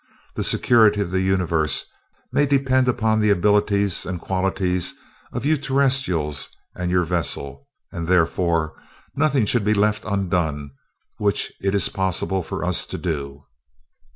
The security of the Universe may depend upon the abilities and qualities of you Terrestrials and your vessel, and therefore nothing should be left undone which it is possible for us to do."